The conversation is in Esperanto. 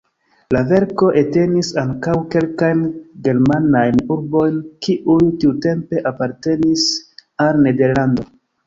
La verko entenis ankaŭ kelkajn germanajn urbojn, kiuj tiutempe apartenis al Nederlando.